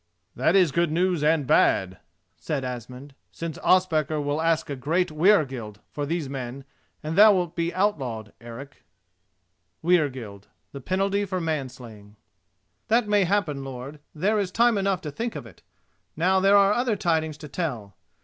"That is good news and bad," said Asmund, "since Ospakar will ask a great weregild[*] for these men, and thou wilt be outlawed, Eric." [*] The penalty for manslaying. "That may happen, lord. There is time enough to think of it. Now there are other tidings to tell.